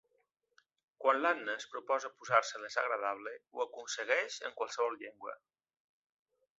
Quan l'Anna es proposa posar-se desagradable ho aconsegueix en qualsevol llengua.